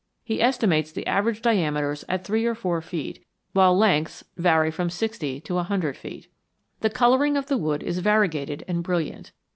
He estimates the average diameters at three or four feet, while lengths vary from sixty to a hundred feet. The coloring of the wood is variegated and brilliant.